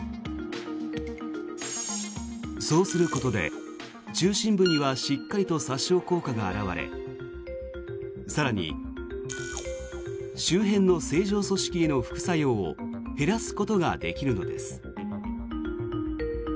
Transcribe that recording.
そうすることで中心部にはしっかりと殺傷効果が表れ更に周辺の正常組織への副作用を減らすことができるのです。